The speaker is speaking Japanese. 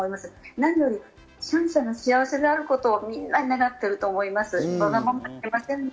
何よりシャンシャンの幸せであることをみんなが願っていると思います。